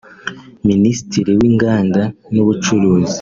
Ministiri w’Inganda n’ubucuruzi